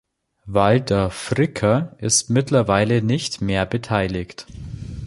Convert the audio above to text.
Walter Fricker ist mittlerweile nicht mehr beteiligt.